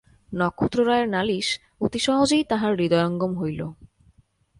নক্ষত্ররায়ের নালিশ অতি সহজেই তাঁহার হৃদয়ঙ্গম হইল।